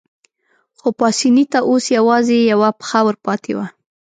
خو پاسیني ته اوس یوازې یوه پښه ورپاتې وه.